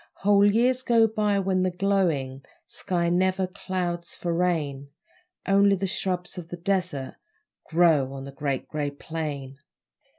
Whole years go by when the glowing Sky never clouds for rain Only the shrubs of the desert Grow on the Great Grey Plain.